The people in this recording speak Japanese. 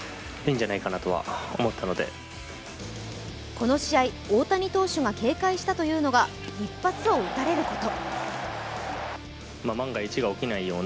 この試合、大谷投手が警戒したというのが一発を打たれたこと。